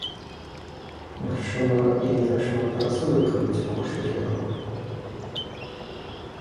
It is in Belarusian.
Магчыма, я не так шмат працую, каб быць у курсе ўсяго.